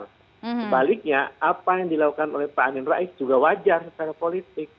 sebaliknya apa yang dilakukan oleh pak amin rais juga wajar secara politik